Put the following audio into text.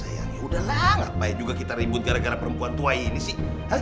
yaudahlah ngapain juga kita ribut gara gara perempuan tua ini sih